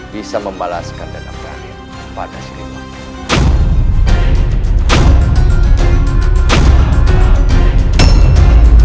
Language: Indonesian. bisa membalaskan dana berharga pada siniwak